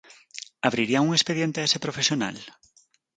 ¿Abrirían un expediente a ese profesional?